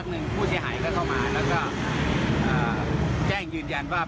เดี๋ยวไงล่ะ